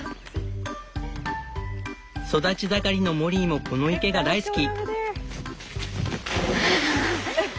育ち盛りのモリーもこの池が大好き。